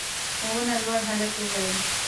په ونه لوړ هلک وويل: